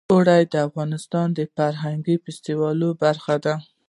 اوړي د افغانستان د فرهنګي فستیوالونو برخه ده.